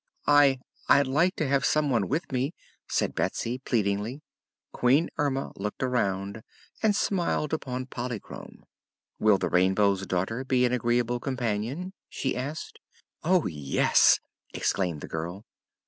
"I I'd like to have some one with me," said Betsy, pleadingly. Queen Erma looked around and smiled upon Polychrome. "Will the Rainbow's Daughter be an agreeable companion?" she asked. "Oh, yes!" exclaimed the girl.